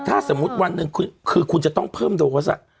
ถ้าสมมุติวันหนึ่งคือคุณจะต้องเพิ่มโดส